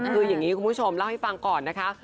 คืออย่างนี้คุณผู้ชมเล่าให้ฟังก่อนนะคะ